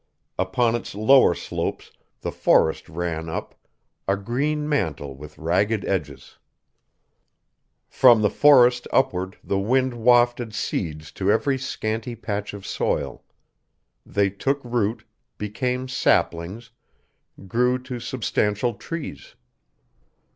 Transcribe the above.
Upon its lower slopes the forest ran up, a green mantle with ragged edges. From the forest upward the wind wafted seeds to every scanty patch of soil. They took root, became saplings, grew to substantial trees.